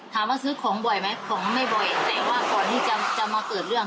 ซื้อของบ่อยไหมของไม่บ่อยแต่ว่าก่อนที่จะมาเกิดเรื่อง